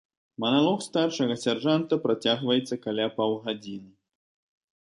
Маналог старшага сяржанта працягваецца каля паўгадзіны.